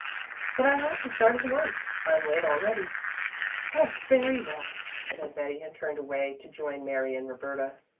"But I have to start at once. I'm late already." "Oh, very well," said Betty, and turned away to join Mary and Roberta.